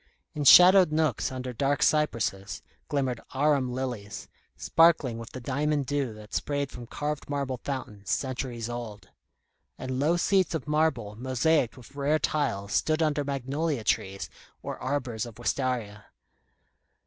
In shadowed nooks under dark cypresses, glimmered arum lilies, sparkling with the diamond dew that sprayed from carved marble fountains, centuries old; and low seats of marble mosaiced with rare tiles stood under magnolia trees or arbours of wistaria.